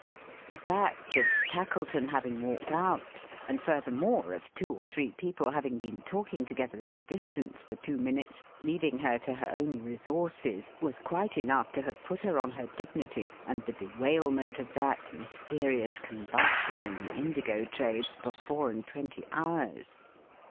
The fact of Tackleton having walked out; and furthermore, of two or three people having been talking together at a distance, for two minutes, leaving her to her own resources; was quite enough to have put her on her dignity, and the bewailment of that mysterious convulsion in the Indigo trade, for four and twenty hours.